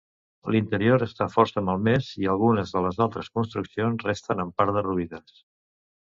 L'interior està força malmès, i algunes de les altres construccions resten en part derruïdes.